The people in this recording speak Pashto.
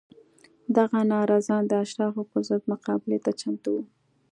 دغه ناراضیان د اشرافو پر ضد مقابلې ته چمتو وو